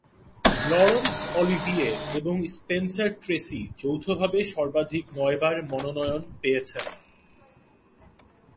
লরন্স Olivier এবং Spencer Tracy যৌথভাবে সর্বাধিক নয়বার মনোনয়ন পেয়েছেন।